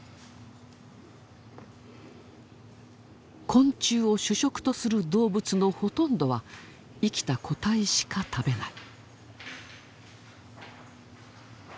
昆虫を主食とする動物のほとんどは生きた個体しか食べない。